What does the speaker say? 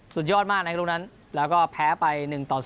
สุดยอดมากนะครับลูกนั้นแล้วก็แพ้ไป๑ต่อ๐